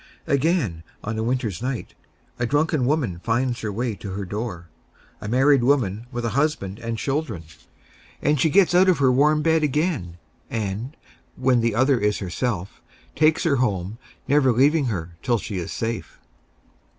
Again, on a winter's night, a drunken woman finds her way to her door a married woman with a husband and children. And she gets out of her warm bed again, and, when the other is herself, takes her home, never leaving her till she is safe.